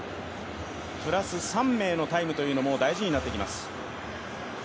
プラス３名のタイムというのも大事になってきます。